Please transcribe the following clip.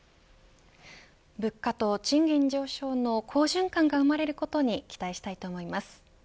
物価と賃金上昇の好循環が生まれることに期待したいと思います。